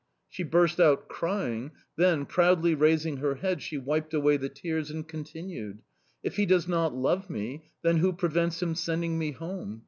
"She burst out crying; then, proudly raising her head, she wiped away the tears and continued: "'If he does not love me, then who prevents him sending me home?